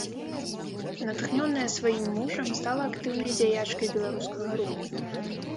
Натхнёная сваім мужам, стала актыўнай дзяячкай беларускага руху.